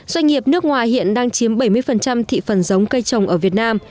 doanh nghiệp nước ngoài hiện đang chiếm bảy mươi thị phần giống cây trồng ở việt nam